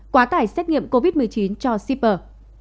quá tải xét nghiệm covid một mươi chín cho shipper